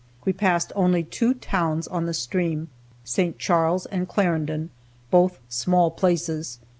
We passed only two towns on the stream St. Charles and Clarendon, both small places.